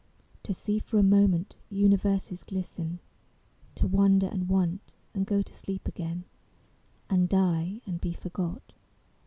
To see for a moment universes glisten; To wonder and want and go to sleep again, And die, And be forgot.